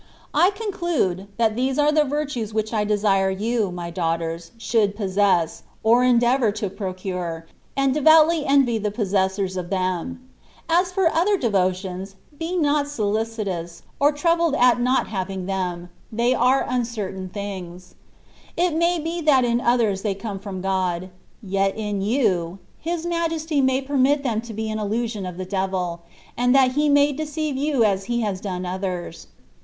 I conclude, that these are the virtues which I desire you, my daughters, should possess, or en deavour to procure, and devoutly envy the pos sessors of them. As for other devotions, be not solicitous, or troubled at your not having them ; they are uncertain things. It may be that in others they come from God; yet in you, His Majesty may permit them to be an illusion of the de\il, and that he may deceive you as he has done others.